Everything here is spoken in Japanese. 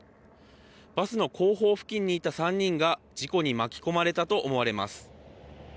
バスの後方付近にいた３人が事故に巻き込まれたと思われます。